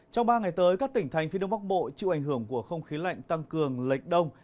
trong ba ngày tới các tỉnh thành phía đông bắc bộ chịu ảnh hưởng của không khí lạnh tăng cường lệch đông